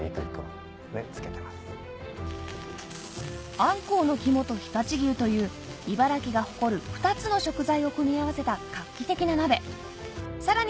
あんこうの肝と常陸牛という茨城が誇る２つの食材を組み合わせた画期的な鍋さらに